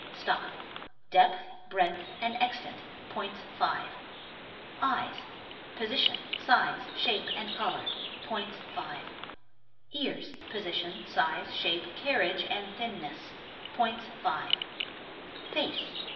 Stop.— Depth, breadth, and extent. Points, 5. Eyes. — Position, size, shape, and color. . Points, 5. Ears. — Position, size, shape, carriage, and thinness. Points, 5. Face.